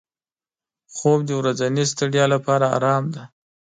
خوب د ورځني ستړیا لپاره آرام دی